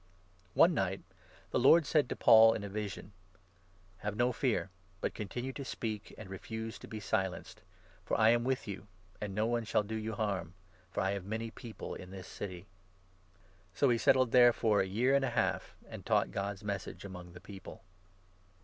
One night the Lord said to Paul, in a 9 vision :" Have no fear, but continue to speak, and refuse to be silenced ; for I am with you, and no one shall do you harm, 10 for I have many People in this city." So he settled there for a year and a half, and taught God's n Message among the people.